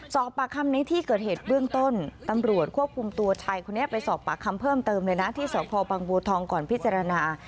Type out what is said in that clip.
สอบปากคำในที่เกิดเหตุเบื้องต้นตำรวจควบคุมตัวชายคนนี้ไปสอบปากคำเพิ่มเติมเลยนะที่สพบังบัวทองก่อนพิจารณา